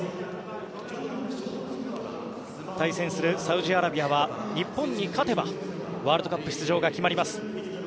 対戦するサウジアラビアは日本に勝てばワールドカップ出場が決まります。